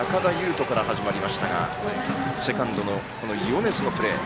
仁から始まりましたがセカンドの米津のプレー。